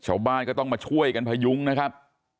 ชาวบ้านก็ต้องมาช่วยกันพยุงนะครับ